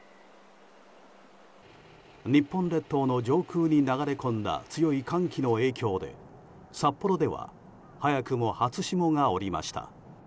日本列島の上空に流れ込んだ強い寒気の影響で札幌では早くも初霜が降りました。